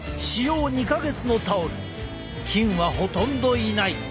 菌はほとんどいない。